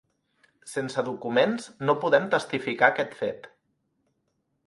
Sense documents no podem testificar aquest fet.